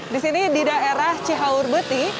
di sini di daerah cihaurbeti